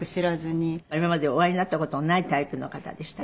今までお会いになった事のないタイプの方でしたか？